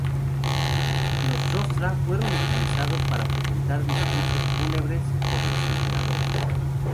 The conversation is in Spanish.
Los "Rostra" fueron utilizados para presentar discursos fúnebres por los emperadores.